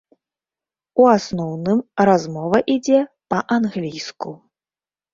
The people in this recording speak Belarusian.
У асноўным размова ідзе па-англійску.